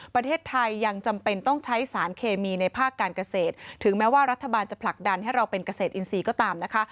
ประเทศไทยยังจำเป็นต้องใช้สารเคมีในภาคการเกษตรถึงแม้ว่ารัฐบาลจะผลักดันให้เราเป็นเกษตรอินทรีย์ก็ตามนะคะ